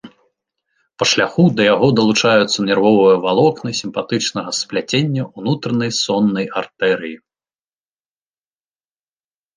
Па шляху да яго далучаюцца нервовыя валокны сімпатычнага спляцення унутранай соннай артэрыі.